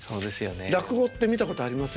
落語って見たことあります？